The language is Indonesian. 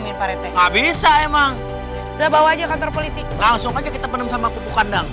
nggak bisa emang udah bawanya kantor polisi langsung aja kita penem sama kubu kandang